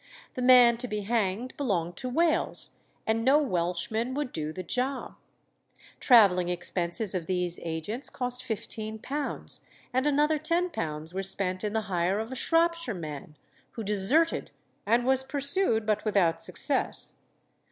The man to be hanged belonged to Wales, and no Welshman would do the job. Travelling expenses of these agents cost £15, and another £10 were spent in the hire of a Shropshire man, who deserted, and was pursued, but without success.